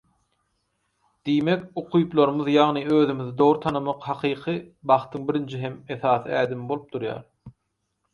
Diýmek ukyplarymyzy ýagny özümizi dogry tanamak hakyky bagtyň birinji hem esasy ädimi bolup durýar.